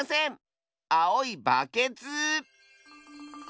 あおいバケツ！